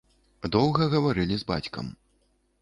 Доўга гаварылі з бацькам.